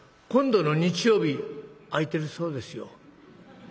今度の日曜日空いてるそうですよ。